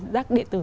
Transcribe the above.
rác điện tử